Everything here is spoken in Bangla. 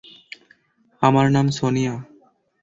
আমার নাম সোনিয়া।